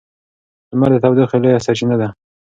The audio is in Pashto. لمر د تودوخې لویه سرچینه ده.